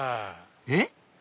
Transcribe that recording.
えっ？